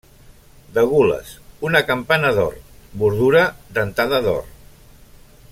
De gules, una campana d'or; bordura dentada d'or.